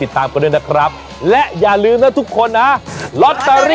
ต้องกลับสลากครับ